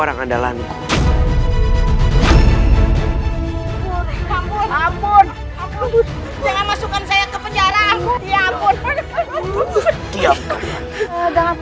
jangan lagi membuat onar di sini